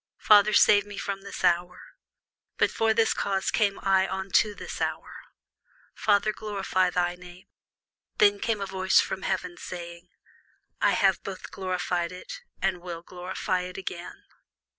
Father, save me from this hour: but for this cause came I unto this hour. Father, glorify thy name. Then came there a voice from heaven, saying, I have both glorified it, and will glorify it again.